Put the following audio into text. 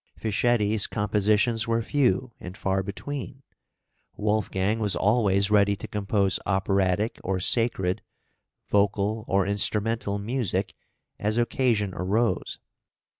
Fischietti's compositions were few and far between; Wolfgang was always ready to compose operatic or sacred, vocal or instrumental music, as occasion arose.